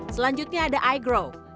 selanjutnya ada igrow